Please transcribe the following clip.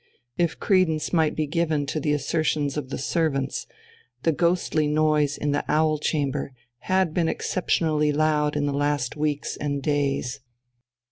If credence might be given to the assertions of the servants, the ghostly noise in the "Owl Chamber" had been exceptionally loud in the last weeks and days.